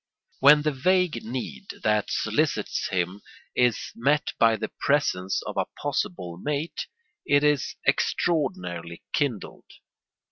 When the vague need that solicits him is met by the presence of a possible mate it is extraordinarily kindled.